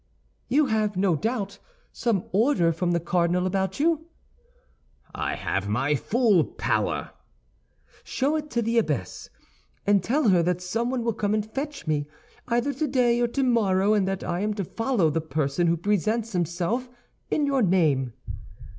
"You have, no doubt, some order from the cardinal about you?" "I have my full power." "Show it to the abbess, and tell her that someone will come and fetch me, either today or tomorrow, and that I am to follow the person who presents himself in your name."